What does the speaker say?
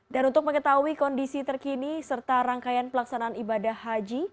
untuk mengetahui kondisi terkini serta rangkaian pelaksanaan ibadah haji